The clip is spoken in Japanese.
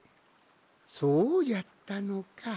そうじゃったのか。